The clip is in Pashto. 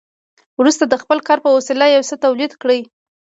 وروسته د خپل کار په وسیله یو څه تولید کړي